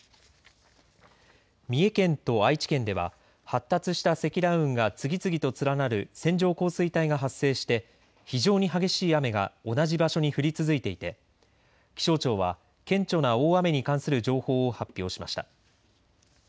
三重県と愛知県では発達した積乱雲が次々と連なる線状降水帯が発生して非常に激しい雨が同じ場所に降り続いていて、気象庁は顕著な大雨に関する情報を発表しました。